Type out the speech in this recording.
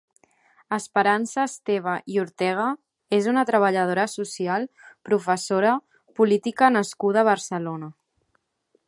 Esperança Esteve i Ortega és una treballadora social, professora, política nascuda a Barcelona.